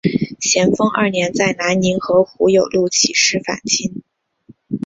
咸丰二年在南宁和胡有禄起事反清。